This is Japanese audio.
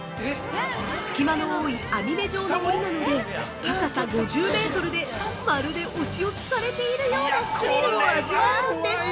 隙間の多い網目上の檻なので、高さ５０メートルでまるでお仕置きされているようなスリルを味わえるんです◆